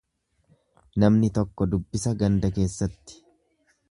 Namni tokko dubbisa ganda keessatti.